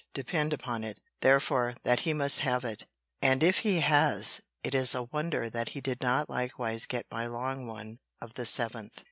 Depend upon it, therefore, that he must have it. And if he has, it is a wonder that he did not likewise get my long one of the 7th.